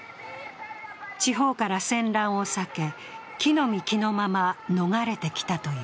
地方から戦乱を避け、着の身着のまま逃れてきたという。